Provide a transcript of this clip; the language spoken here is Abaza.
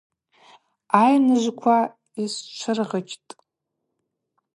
Айныжвква йсчвыргъычтӏ.